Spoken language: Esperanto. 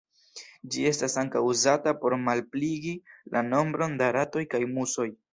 Ĝi estas ankaŭ uzata por malpliigi la nombron da ratoj kaj musoj.